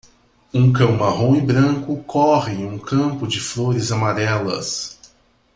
Um cão marrom e branco corre em um campo de flores amarelas.